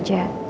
nasi goreng aja